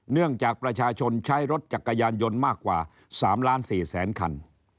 เนื่องจากประชาชนใช้รถจักรยานยนต์มากกว่า๓ล้าน๔แสนคัน